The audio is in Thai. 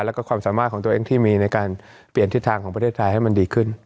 แล้วก็ความสามารถของตัวเองที่มีในการเปลี่ยนทิศทางของประเทศไทยให้มันดีขึ้น